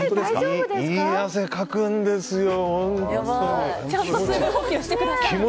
いい汗かくんですよ。